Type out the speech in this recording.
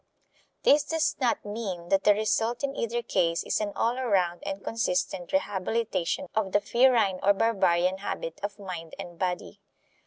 This does not mean that the result in either case is an all around and consistent rehabilitation of the ferine or barbarian habit of mind and body.